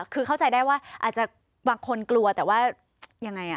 คือเข้าใจได้ว่าอาจจะบางคนกลัวแต่ว่ายังไง